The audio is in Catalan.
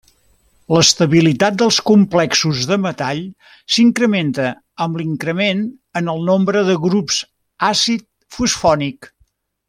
L'estabilitat dels complexos de metall s'incrementa amb l'increment en el nombre de grups àcid fosfònic.